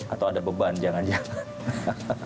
atau ada beban jangan jangan